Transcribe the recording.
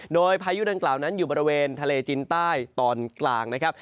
โดยพายุดังกล่าวนั้นอยู่บริเวณทะเลจินใต้ตอนกลางนะครับ